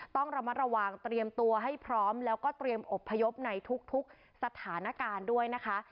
ต้องระมัดระวังเตรียมตัวให้พร้อมแล้วก็เตรียมอบพยพในทุกสถานการณ์ด้วยนะคะ